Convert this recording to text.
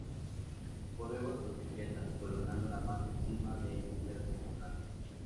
Podemos protegerlas colocando la mano encima de ella pero sin tocarla.